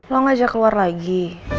lo ngajak keluar lagi